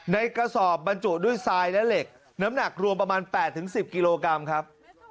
ในกระสอบบรรจุด้วยทรายและเหล็กน้ำหนักรวมประมาณ๘๑๐กิโลกรัมครับ